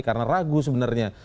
karena ragu sebenarnya